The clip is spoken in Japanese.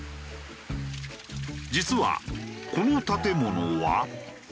実はこの建物は。